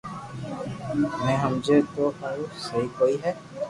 ني ھمجي تو تو ھارون سھي ڪوئي ھي